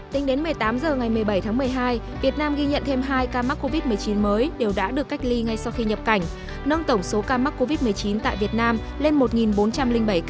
tính đến một mươi tám h ngày một mươi bảy tháng một mươi hai việt nam ghi nhận thêm hai ca mắc covid một mươi chín mới đều đã được cách ly ngay sau khi nhập cảnh nâng tổng số ca mắc covid một mươi chín tại việt nam lên một bốn trăm linh bảy ca